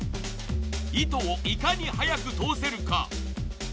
糸をいかに速く通せるか。